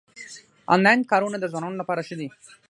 انلاین کارونه د ځوانانو لپاره ښه دي